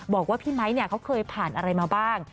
บอกว่าพี่ไมค์เขาเคยผ่านอะไรมาบ้าง